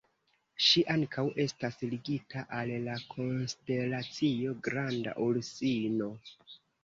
Ŝi ankaŭ estas ligita al la konstelacio Granda Ursino.